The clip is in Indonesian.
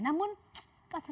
namun kasus ini terlalu banyak